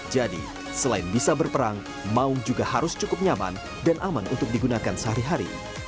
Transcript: jadi selain bisa berperang maung juga harus cukup nyaman dan aman untuk digunakan sehari hari